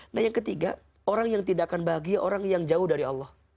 nah yang ketiga orang yang tidak akan bahagia orang yang jauh dari allah